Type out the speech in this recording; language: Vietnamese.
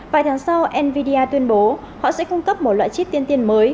vài tháng sau nvidia tuyên bố họ sẽ cung cấp một loại chip tiên tiên mới